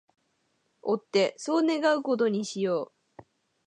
追ってそう願う事にしよう